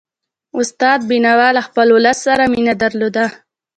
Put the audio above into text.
استاد بينوا له خپل ولس سره مینه درلودله.